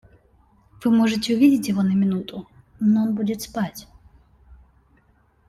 Вы можете увидеть его на минуту, но он будет спать.